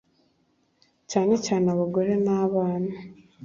cyane cyane abagore n’abana